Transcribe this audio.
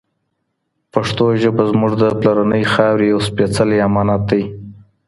پښتو ژبه زموږ د پلرنۍ خاوري یو سپېڅلی امانت دی